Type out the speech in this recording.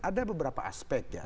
ada beberapa aspek ya